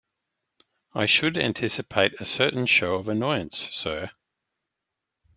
I should anticipate a certain show of annoyance, sir.